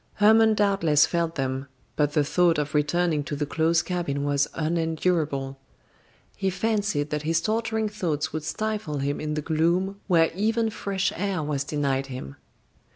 Hermon doubtless felt them, but the thought of returning to the close cabin was unendurable. He fancied that his torturing thoughts would stifle him in the gloom where even fresh air was denied him.